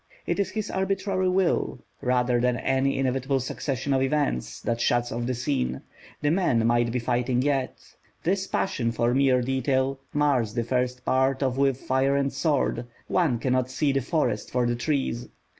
It is his arbitrary will, rather than any inevitable succession of events, that shuts off the scene: the men might be fighting yet. This passion for mere detail mars the first part of With Fire and Sword; one cannot see the forest for the trees.